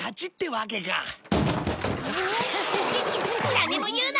何も言うな！